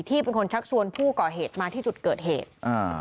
เป็นคนชักชวนผู้ก่อเหตุมาที่จุดเกิดเหตุอ่า